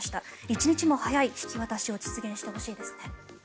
一日も早い引き渡しを実現してほしいですね。